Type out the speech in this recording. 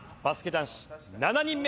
男子７人目。